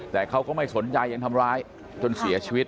แต่เขาก็ไม่สนใจยังทำร้ายจนเสียชีวิต